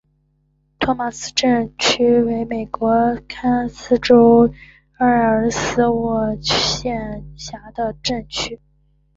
托马斯镇区为美国堪萨斯州埃尔斯沃思县辖下的镇区。